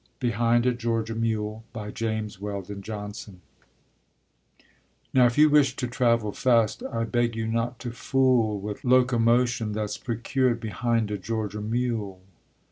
BEHIND A GEORGIA MULE JAMES WELDON JOHNSON Now if you wish to travel fast, I beg you not to fool With locomotion that's procured Behind a Georgia mule.